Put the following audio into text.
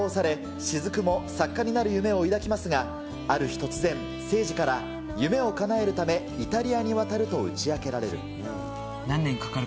せいじに背中を押され、雫も作家になる夢を抱きますが、ある日突然、聖司から夢をかなえるため、イタリアに渡ると打ち明けられる。